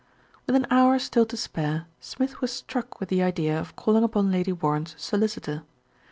With an hour still to spare, Smith was struck with the idea of calling upon Lady Warren's solicitor.